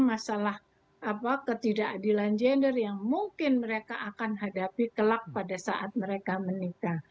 masalah ketidakadilan gender yang mungkin mereka akan hadapi kelak pada saat mereka menikah